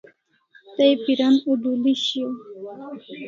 Tay piran udul'i shiaw e?